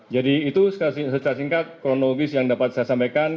jadi itu secara singkat kronologis yang dapat saya sampaikan